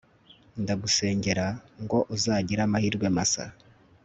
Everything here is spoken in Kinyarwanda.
Ndagusengera ngo uzagire amahirwe masa